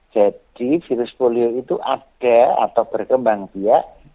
jadi virus polio itu ada atau berkembang dia